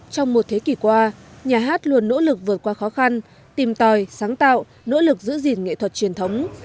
trong một thế kỷ qua nhà hát luôn nỗ lực vượt qua khó khăn tìm tòi sáng tạo nỗ lực giữ gìn nghệ thuật truyền thống